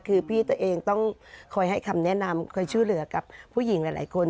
คือพี่ตัวเองต้องคอยให้คำแนะนำคอยช่วยเหลือกับผู้หญิงหลายคน